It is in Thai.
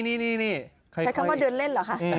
นี่ใช้คำว่าเดินเล่นเหรอคะ